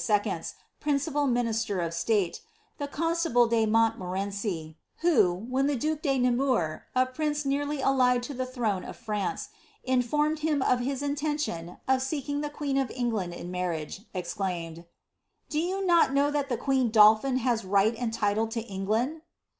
's principal minister of state, the eonatable de Monunorenei, who, when the duke de Nemours, a prinM nearly allied lo the throne of Fmnce, informed him of his inieiilion oi Making ihe queen of Engknd in marrtage, exclaimed, "Do y«u not know that the <\neea dolphai has right and title to England